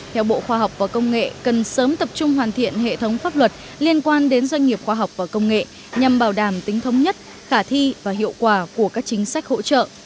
theo bộ khoa học và công nghệ cần sớm tập trung hoàn thiện hệ thống pháp luật liên quan đến doanh nghiệp khoa học và công nghệ nhằm bảo đảm tính thống nhất khả thi và hiệu quả của các chính sách hỗ trợ